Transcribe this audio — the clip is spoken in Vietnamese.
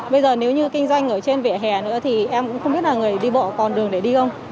bây giờ nếu như kinh doanh ở trên vỉa hè nữa thì em cũng không biết là người đi bộ còn đường để đi không